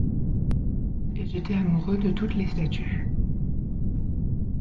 Et j'étais amoureux de toutes les statues ;